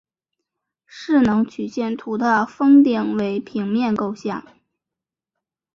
势能曲线图的峰顶为平面构象。